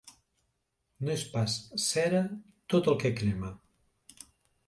No és pas cera tot el que crema.